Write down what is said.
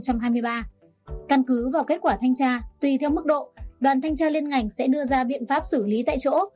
căn cứ vào kết quả thanh tra tùy theo mức độ đoàn thanh tra liên ngành sẽ đưa ra biện pháp xử lý tại chỗ